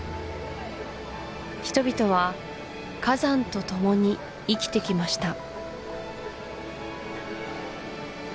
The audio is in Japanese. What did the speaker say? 人々は火山とともに生きてきました